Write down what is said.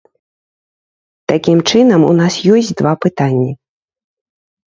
Такім чынам, у нас ёсць два пытанні.